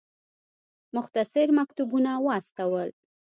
مختصر مکتوبونه واستول.